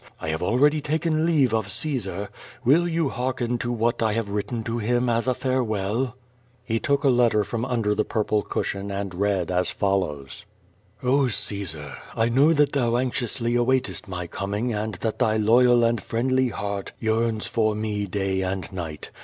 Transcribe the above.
I have already taken leave of Caesar. Will you hearken to what I have written to him as a farewell?" He took a letter from under the purple cushion, and read as follows: "Oh, Caesar, I know that thou anxiously awaitest my com ing and that thy loyal and friendly heart yearns for me day 508 QUO VADI8. and night.